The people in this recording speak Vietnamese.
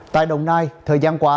tại đồng nai thời gian qua